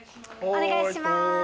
お願いしまーす。